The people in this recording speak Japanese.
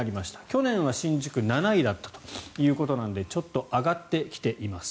去年は新宿７位だったということなのでちょっと上がってきています。